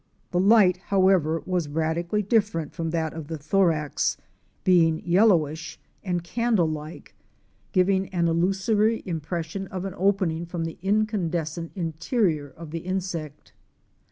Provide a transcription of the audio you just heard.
The light however was radically dif ferent from that of the thorax, being yellowish, and candle THE LAKE OF PITCH. 55 like, giving an illusory impression of an opening from the incandescent interior of the insect.